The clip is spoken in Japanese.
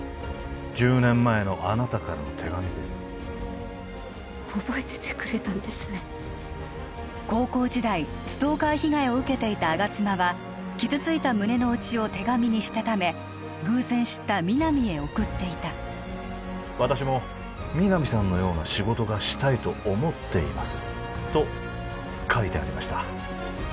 １０年前のあなたからの手紙です覚えててくれたんですね高校時代ストーカー被害を受けていた吾妻は傷ついた胸の内を手紙にしたため偶然知った皆実へ送っていた私も皆実さんのような仕事がしたいと思っていますと書いてありました